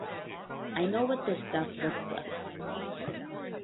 I know what this stuff looks like.